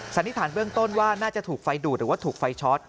สันนิษฐานเบื้องต้นว่าน่าจะถูกไฟดูดหรือว่าถูกไฟช็อต